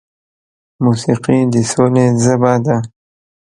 موسیقي د سولې ژبه ده.